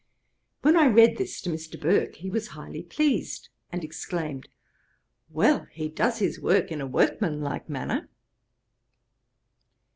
When I read this to Mr. Burke, he was highly pleased, and exclaimed, 'Well; he does his work in a workman like manner.'